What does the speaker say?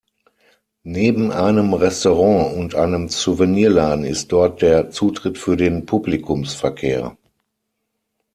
Neben einem Restaurant und einem Souvenirladen ist dort der Zutritt für den Publikumsverkehr.